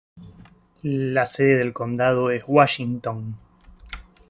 La sede del condado es Washington.